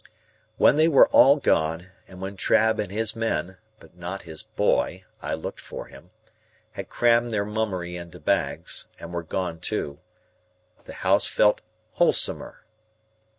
When they were all gone, and when Trabb and his men—but not his Boy; I looked for him—had crammed their mummery into bags, and were gone too, the house felt wholesomer.